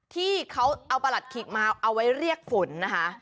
ที่เขาเอาประหลัดขิกมาเอาไว้เรียกฝนนะคะ